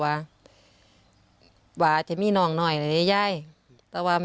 ทั้งครูก็มีค่าแรงรวมกันเดือนละประมาณ๗๐๐๐กว่าบาท